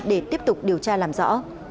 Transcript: để tiếp tục điều tra làm rõ